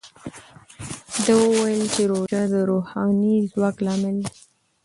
ده وویل چې روژه د روحاني ځواک لامل دی.